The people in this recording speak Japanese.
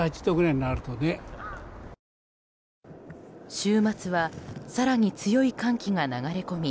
週末は更に強い寒気が流れ込み